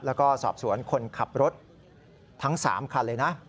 แล้วก็สอบสวนคนขับรถทั้ง๓คันเลยนะ